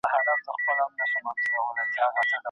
که د دوو خيرونو تر منځ واقع سئ، نو لوی خير غوره کړئ.